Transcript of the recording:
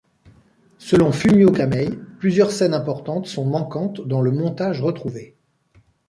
Selon Fumio Kamei, plusieurs scènes importantes sont manquantes dans le montage retrouvé.